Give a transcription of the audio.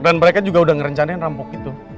dan mereka juga udah ngerencanain rampok itu